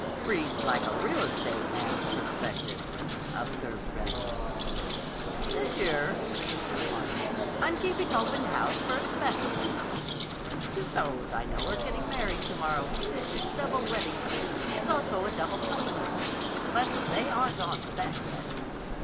"Reads like a real estate man's prospectus," observed Remsen. "This year," pursued Harmon, "I'm keeping open house for a special reason. Two fellows I know are getting married to morrow. It's a double wedding. It's also a double honeymoon. But they aren't onto that yet."